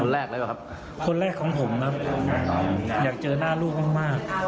แรกแล้วครับคนแรกของผมครับอยากเจอหน้าลูกมาก